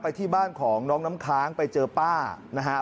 ที่บ้านของน้องน้ำค้างไปเจอป้านะครับ